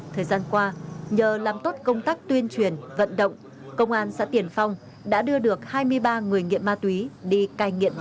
thời gian qua nhờ làm tốt công tác tuyên truyền vận động công an xã tiền phong đã đưa được hai mươi ba người nghiện ma túy đi cai nghiện